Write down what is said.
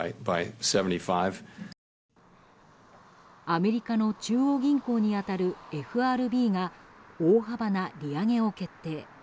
アメリカの中央銀行に当たるＦＲＢが大幅な利上げを決定。